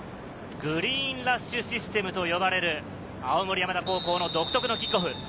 グリーンラッシュシステムと呼ばれる青森山田高校の独特のキックオフ。